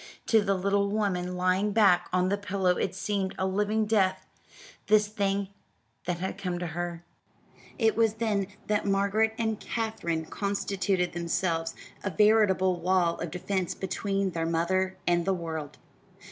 To the little woman lying back on the pillow it seemed a living death this thing that had come to her. It was then that Margaret and Katherine constituted themselves a veritable wall of defense between their mother and the world.